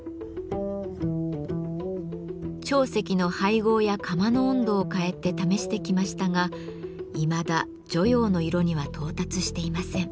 長石の配合や窯の温度を変えて試してきましたがいまだ汝窯の色には到達していません。